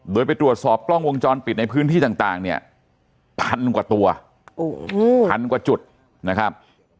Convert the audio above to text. โดยไปตรวจสอบกล้องวงจรปิดในพื้นที่ต่างเนี่ยพันกว่าตัวพันกว่าจุดนะครับ